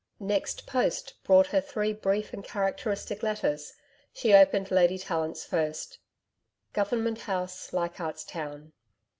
Next post brought her three brief and characteristic letters. She opened Lady Tallant's first: 'Government House, Leichardt's Town.